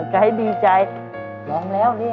ไกลดีใจร้องแล้วเนี่ย